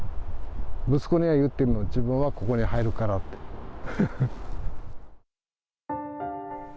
息子には言ってるの、自分はここに入るからって。